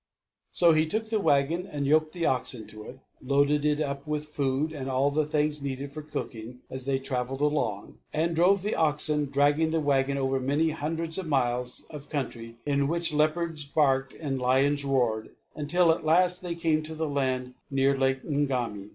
So he took the wagon and yoked the oxen to it, loaded it up with food and all the things needed for cooking as they travelled along, and drove the oxen dragging the wagon over many hundreds of miles of country in which leopards barked and lions roared, until at last they came to the land near Lake Ngami.